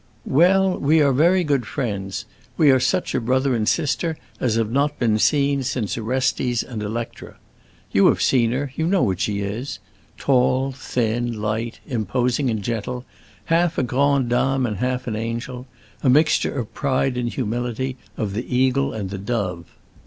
"Well, we are very good friends; we are such a brother and sister as have not been seen since Orestes and Electra. You have seen her; you know what she is: tall, thin, light, imposing, and gentle, half a grande dame and half an angel; a mixture of pride and humility, of the eagle and the dove.